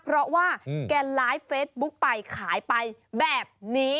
เพราะว่าแกไลฟ์เฟซบุ๊คไปขายไปแบบนี้